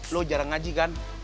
lu jarang ngaji kan